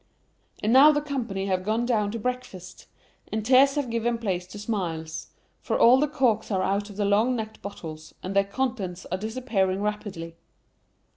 And now the company have gone down to breakfast, and tears have given place to smiles, for all the corks are out of the long necked bottles, and their contents are disappearing rapidly.